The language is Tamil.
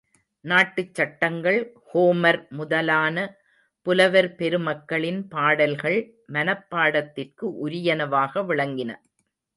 நாட்டுச் சட்டங்கள், ஹோமர் முதலான புலவர் பெருமக்களின் பாடல்கள் மனப்பாடத்திற்கு உரியனவாக விளங்கின.